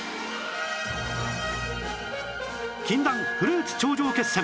禁断フルーツ頂上決戦！